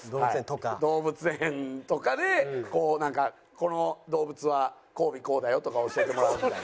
動物園とかでこうなんか「この動物は交尾こうだよ」とか教えてもらうみたいな。